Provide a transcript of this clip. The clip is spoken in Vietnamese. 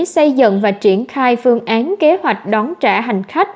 xây dựng và triển khai phương án kế hoạch đón trả hành khách